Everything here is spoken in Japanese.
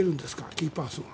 キーパーソンは。